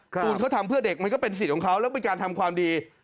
ตูนเขาทำเพื่อเด็กมันก็เป็นสิทธิ์ของเขาแล้วเป็นการทำความดี